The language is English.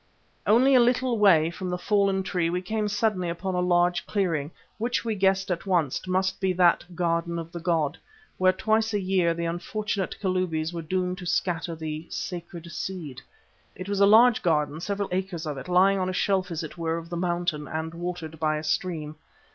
Only a little way from the fallen tree we came suddenly upon a large clearing, which we guessed at once must be that "Garden of the god" where twice a year the unfortunate Kalubis were doomed to scatter the "sacred seed." It was a large garden, several acres of it, lying on a shelf, as it were, of the mountain and watered by a stream.